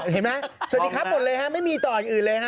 เห็นไหมสวัสดีครับหมดเลยฮะไม่มีต่ออย่างอื่นเลยฮะ